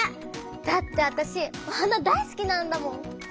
だってあたしお花大すきなんだもん！